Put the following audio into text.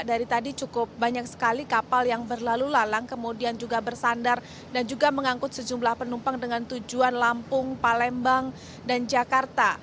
dari tadi cukup banyak sekali kapal yang berlalu lalang kemudian juga bersandar dan juga mengangkut sejumlah penumpang dengan tujuan lampung palembang dan jakarta